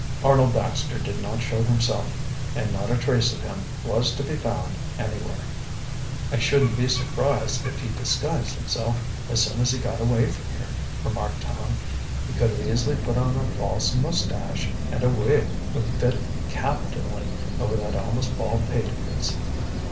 Arnold Baxter did not show himself, and not a trace of him was to be found anywhere. "I shouldn't be surprised if he disguised himself as soon as he got away from here," remarked Tom. "He could easily put on a false mustache, and a wig would fit capitally over that almost bald pate of his."